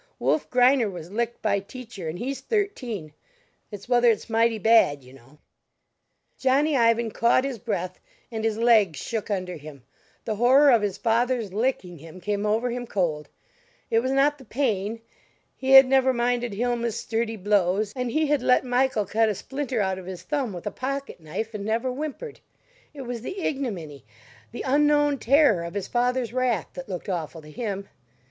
"Wulf Greiner was licked by teacher, and he's thirteen. It's whether it's mighty bad, you know." Johnny Ivan caught his breath and his legs shook under him; the horror of his father's "licking" him came over him cold; it was not the pain; he had never minded Hilma's sturdy blows and he had let Michael cut a splinter out of his thumb with a pocket knife, and never whimpered; it was the ignominy, the unknown terror of his father's wrath that looked awful to him.